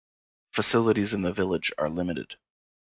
Facilities in the village are limited.